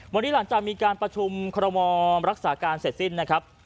วันนี้หลังจากมีการประชุมคอรมอรักษาการเสร็จสิ้นนะครับ